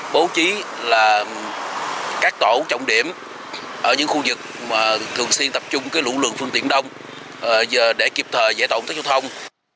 bố trí là các tổ trọng điểm ở những khu vực thường xuyên tập trung lũ lượng phương tiện đông để kịp thời giải tổng thức giao thông